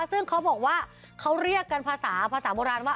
ซึ่งเขาบอกว่าเขาเรียกกันภาษาภาษาโบราณว่า